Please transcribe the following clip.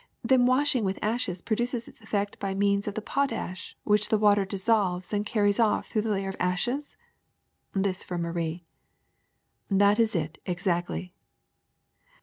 '' '^Then washing with ashes produces its effect by means of the potash which the water dissolves and carries off through the layer of ashes 1 '' This from Marie. '^That is it, exactly.''